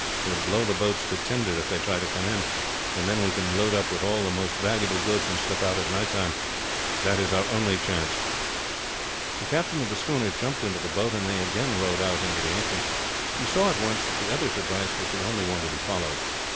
We will blow the boats to tinder if they try to come in, and then we can load up with all the most valuable goods and slip out at night time. That is our only chance." The captain of the schooner jumped into the boat, and they again rowed out into the entrance. He saw at once that the other's advice was the only one to be followed.